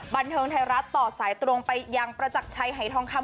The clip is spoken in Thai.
บันเทิงไทยรัฐต่อสายตรงไปยังประจักรชัยหายทองคำ